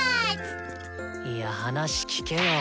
いや話聞けよ。